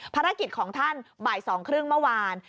ภารกิจของท่านบ่าย๒๓๐เมื่อวาน